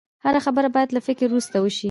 هره خبره باید له فکرو وروسته وشي